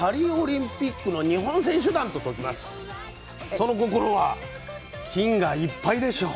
その心は「金」がいっぱいでしょう。